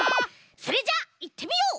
それじゃあいってみよう！